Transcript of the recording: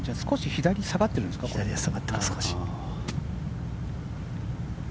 左に下がっています少し。